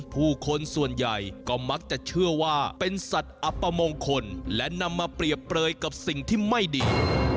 ผู้คนส่วนใหญ่ก็มักจะเชื่อว่าเป็นสัตว์อัปมงคลและนำมาเปรียบเปลยกับสิ่งที่ไม่ดี